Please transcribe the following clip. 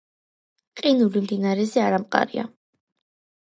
ყინული მდინარეზე არამყარია.